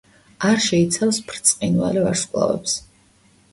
არ შეიცავს ბრწყინვალე ვარსკვლავებს.